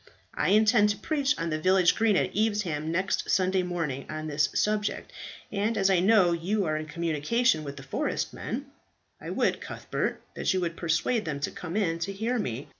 I intend to preach on the village green at Evesham next Sunday morning on this subject, and as I know you are in communication with the forest men, I would, Cuthbert, that you would persuade them to come in to hear me.